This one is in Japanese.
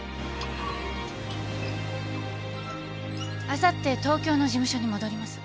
あさって東京の事務所に戻ります。